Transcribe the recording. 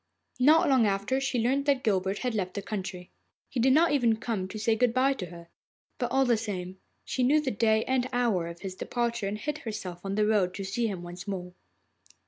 Not long after she learnt that Guilbert had left the country. He did not even come to say good bye to her, but, all the same, she knew the day and hour of his departure, and hid herself on the road to see him once more.